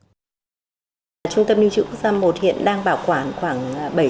trung tâm lưu trữ quốc gia i hiện đang bảo quản khoảng bảy trăm bảy mươi ba